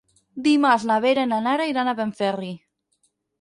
Dimarts na Vera i na Nara iran a Benferri.